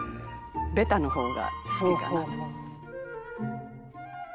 「ベタの方が好きかな」